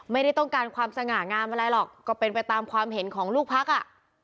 ไม่ได้ต้องการความสง่างามอะไรหรอกก็เป็นไปตามความเห็นของลูกพักอ่ะ